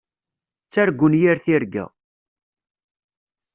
Ttargun yir tirga.